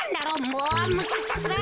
もうむしゃくしゃする！